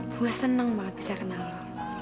gue senang banget bisa kenal